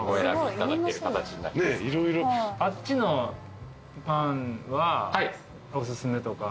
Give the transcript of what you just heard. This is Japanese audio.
あっちのパンはおすすめとか。